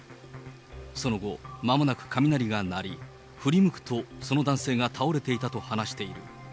その後まもなく雷が鳴り、振り向くと、その男性が倒れていたと話している。